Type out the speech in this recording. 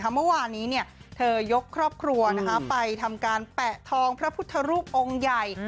เมื่อวานนี้เธอยกครอบครัวไปทำการแปะทองพระพุทธรูปองค์ใหญ่